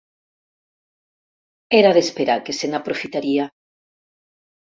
Era d'esperar que se n'aprofitaria.